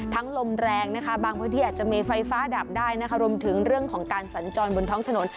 ลมแรงนะคะบางพื้นที่อาจจะมีไฟฟ้าดับได้นะคะรวมถึงเรื่องของการสัญจรบนท้องถนน